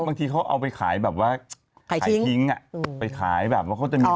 บางทีเขาเอาไปขายแบบว่าขายทิ้งอ่ะไปขายแบบว่าเขาจะมี